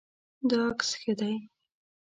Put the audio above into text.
دا عکس ښه دی